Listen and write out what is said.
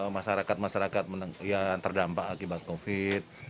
masyarakat masyarakat yang terdampak akibat covid